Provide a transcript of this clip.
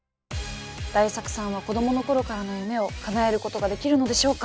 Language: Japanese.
大作さんは子どもの頃からの夢をかなえることができるのでしょうか。